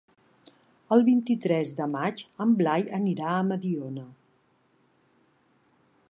El vint-i-tres de maig en Blai anirà a Mediona.